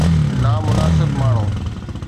نامناسب ماڻهو